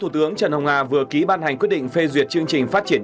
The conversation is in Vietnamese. phó thủ tướng trần hồng hà vừa ký ban hành quyết định phê duyệt chương trình phát triển